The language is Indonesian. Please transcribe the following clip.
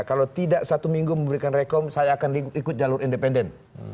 kalau tidak satu minggu memberikan rekom saya akan ikut jalur independen